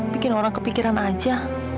bikin orang kepikiran aja